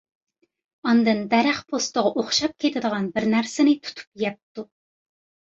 ئاندىن دەرەخ پوستىغا ئوخشاپ كېتىدىغان بىر نەرسىنى تۇتۇپ يەپتۇ.